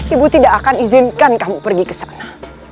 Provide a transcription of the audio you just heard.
ibu tidak akan izinkan kamu pergi kesana